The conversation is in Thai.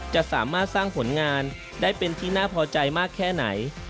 จะสามารถสร้างผลงานได้เป็นที่น่าพอใจมากแค่ไหน